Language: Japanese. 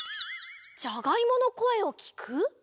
じゃがいものこえをきく？